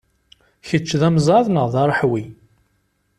Kečč d amẓad neɣ d aṛeḥwi?